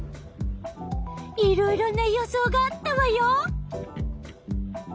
いろいろな予想があったわよ。